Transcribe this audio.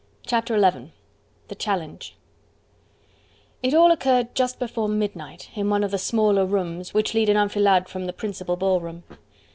Chapter XI: The Challenge It all occurred just before midnight, in one of the smaller rooms, which lead in enfilade from the principal ballroom.